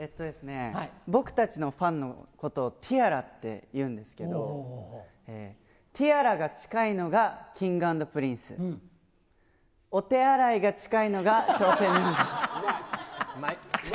僕たちのファンのことをティアラっていうんですけど、ティアラが近いのがＫｉｎｇ＆Ｐｒｉｎｃｅ、お手洗いが近いのがうまい。